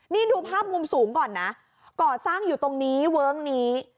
นี่ดูภาพมุมสูงก่อนนะก่อสร้างอยู่ตรงนี้เวิ้งนี้